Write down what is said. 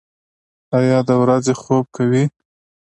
ایا د ورځې خوب کوئ؟